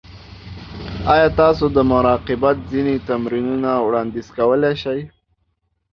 ایا تاسو د مراقبت ځینې تمرینونه وړاندیز کولی شئ؟